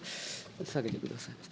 さげてください。